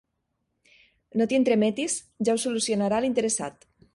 No t'hi entremetis, ja ho solucionarà l'interessat.